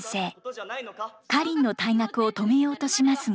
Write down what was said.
カリンの退学を止めようとしますが。